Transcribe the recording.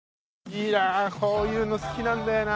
いやぁこういうの好きなんだよな。